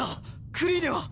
クリーネは。